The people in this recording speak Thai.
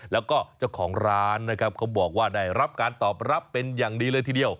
แล้วก็เจ้าของร้านนะครับเขาบอกว่าได้รับการตอบรับเป็นอย่างดีเลยทีเดียว